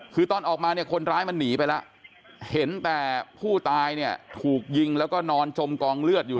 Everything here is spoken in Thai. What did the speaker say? คือตอนออกมาเนี่ยคนร้ายมันหนีไปแล้วเห็นแต่ผู้ตายเนี่ยถูกยิงแล้วก็นอนจมกองเลือดอยู่